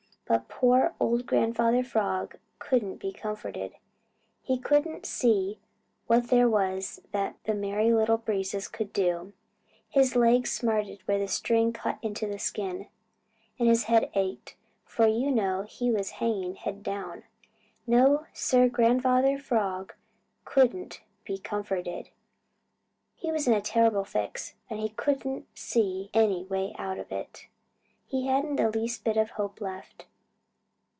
But poor old Grandfather Frog couldn't be comforted. He couldn't see what there was that the Merry Little Breezes could do. His legs smarted where the string cut into the skin, and his head ached, for you know he was hanging head down. No, Sir, Grandfather Frog couldn't be comforted. He was in a terrible fix, and he couldn't see any way out of it. He hadn't the least bit of hope left.